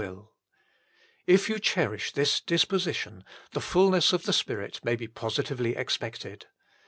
l If you cherish this disposition, the fulness of the Spirit may be positively expected.